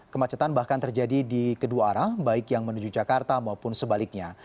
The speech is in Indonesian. kemacetan bahkan terjadi di kedua arah baik yang menuju jakarta maupun sebaliknya